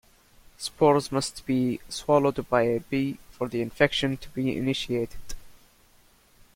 Spores must be swallowed by a bee for the infection to be initiated.